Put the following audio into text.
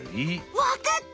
わかった！